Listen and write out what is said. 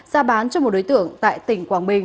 ra bán cho một đối tượng tại tỉnh quảng bình